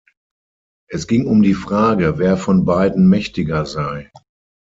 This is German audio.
Es ging um die Frage, wer von beiden mächtiger sei.